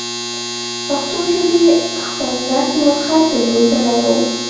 پښتو ژبې خپل رسم الخط درلودلی وو.